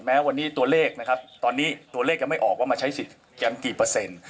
แม้วันนี้ตัวเลขนะครับตอนนี้ตัวเลขยังไม่ออกว่ามาใช้สิทธิ์กันกี่เปอร์เซ็นต์